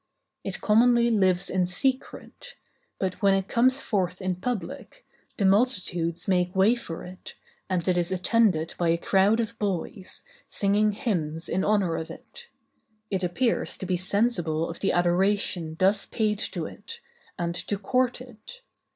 It commonly lives in secret; but, when it comes forth in public, the multitudes make way for it, and it is attended by a crowd of boys, singing hymns in honor of it; it appears to be sensible of the adoration thus paid to it, and to court it.